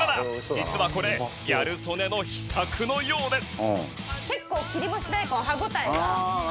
実はこれギャル曽根の秘策のようです。